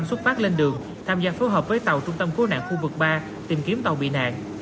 xuất phát lên đường tham gia phối hợp với tàu trung tâm cứu nạn khu vực ba tìm kiếm tàu bị nạn